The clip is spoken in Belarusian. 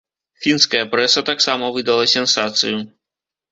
Фінская прэса таксама выдала сенсацыю.